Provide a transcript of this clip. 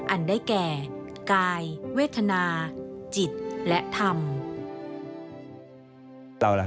อันได้แก่กายเวทนาจิตและธรรม